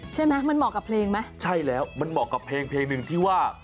ใช่ไหมมันเหมาะกับเพลงไหมใช่แล้วมันเหมาะกับเพลงเพลงหนึ่งที่ว่า